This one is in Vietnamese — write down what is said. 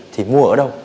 thì mua ở đâu